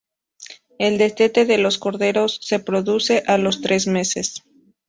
El destete de los corderos se produce a los tres meses.